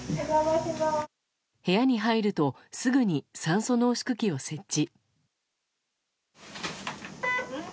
部屋に入るとすぐに酸素濃縮器を設置。